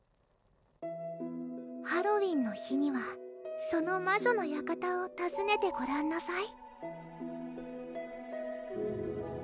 ハロウィーンの日にはその魔女の館をたずねてごらんなさい